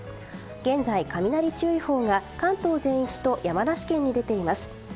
現在、雷注意報が関東全域と山梨県に出ています。